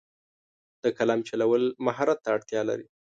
د قلم چلول مهارت ته اړتیا لري.